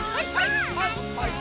はいはい！